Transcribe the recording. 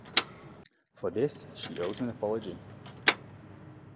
For this she owes an apology.